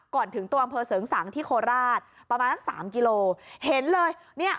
ถึงตัวอำเภอเสริงสังที่โคราชประมาณสักสามกิโลเห็นเลยเนี่ย